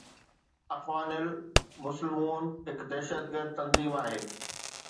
اخوان المسلمون هڪ دهشتگرد تنظيم آهي